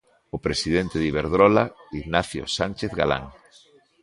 O presidente de Iberdrola, Ignacio Sánchez Galán.